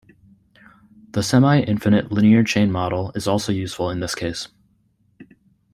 The semi-infinite linear chain model is also useful in this case.